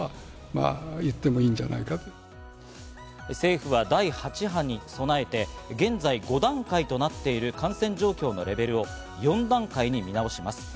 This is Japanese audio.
政府は第８波に備えて、現在５段階となっている感染状況のレベルを４段階に見直します。